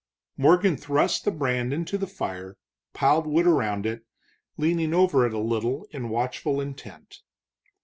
Morgan thrust the brand into the fire, piled wood around it, leaning over it a little in watchful intent.